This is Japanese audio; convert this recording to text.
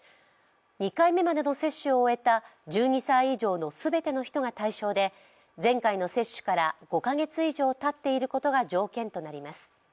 ２回目までの接種を終えた１２歳以上のすべての人が対象で前回の接種から５か月以上たっていることが条件となります。